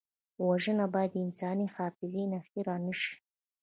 وژنه باید د انساني حافظې نه هېره نه شي